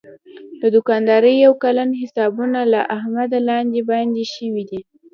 د دوکاندارۍ یو کلن حسابونه له احمده لاندې باندې شوي دي.